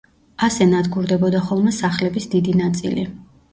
ასე ნადგურდებოდა ხოლმე სახლების დიდი ნაწილი.